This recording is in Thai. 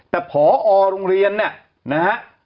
แต่พอโรงเรียนเนี่ยนะฮะ